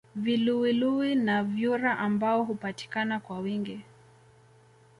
Viluwiluwi na vyura ambao hupatikana kwa wingi